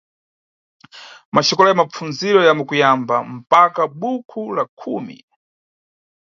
Maxikola ya mapfundziro ya kuyamba mpaka bukhu la khumi.